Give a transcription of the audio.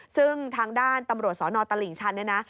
ซึ่งทางด้านตำรวจสนตลิ่งชันเนี่ยนะ